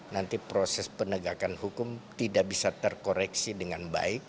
nanti proses penegakan hukum tidak bisa terkoreksi dengan baik